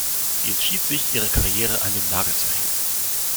Sie entschied sich, ihre Karriere an den Nagel zu hängen.